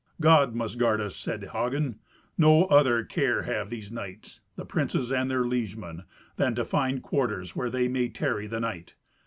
"God must guard us," said Hagen. "No other care have these knights, the princes and their liegemen, than to find quarters, where they may tarry the night.